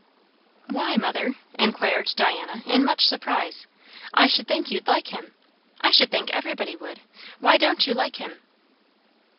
"Why, mother?" inquired Diana in much surprise. "I should think you'd like him. I should think everybody would. Why don't you like him?"